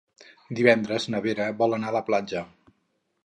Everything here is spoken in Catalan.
Divendres na Vera vol anar a la platja.